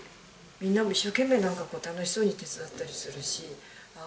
みんなも一生懸命なんかこう楽しそうに手伝ったりするしああ